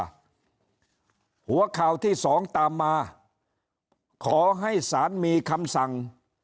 หัวข่าวที่สองตามมาขอให้สารมีคำสั่ง